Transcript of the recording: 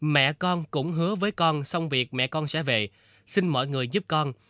mẹ con cũng hứa với con xong việc mẹ con sẽ về xin mọi người giúp con